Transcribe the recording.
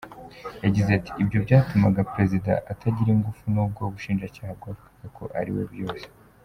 Yagize ati “Ibyo byatumaga Perezida atagira ingufu nubwo ubushinjacyaha bwavugaga ko ari we byose.